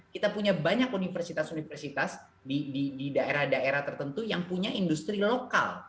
kita punya banyak universitas universitas di daerah daerah tertentu yang punya industri lokal